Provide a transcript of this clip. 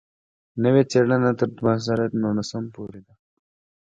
نوې څېړنه تر دوه زره نولسم پورې ده.